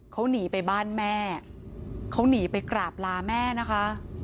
เขาหนีไปบ้านแม่เขาหนีไปกราบลาแม่นะคะ